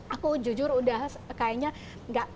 aku jujur udah kayaknya